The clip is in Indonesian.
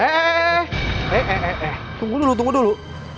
eh eh eh tunggu dulu tunggu dulu